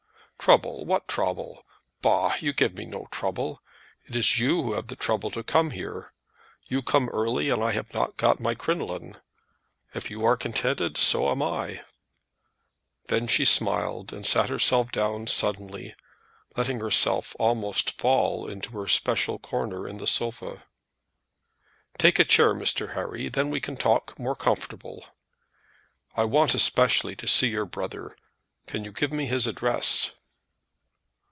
"Trouble, what trouble? Bah! You give me no trouble. It is you have the trouble to come here. You come early and I have not got my crinoline. If you are contented, so am I." Then she smiled, and sat herself down suddenly, letting herself almost fall into her special corner in the sofa. "Take a chair, Mr. Harry; then we can talk more comfortable." "I want especially to see your brother. Can you give me his address?"